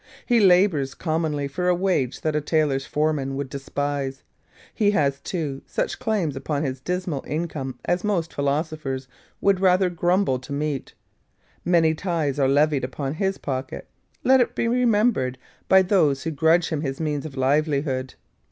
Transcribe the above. He labours commonly for a wage that a tailor's foreman would despise: he has, too, such claims upon his dismal income as most philosophers would rather grumble to meet; many tithes are levied upon HIS pocket, let it be remembered, by those who grudge him his means of livelihood.